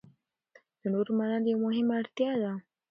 د نورو منل یوه مهمه اړتیا ده.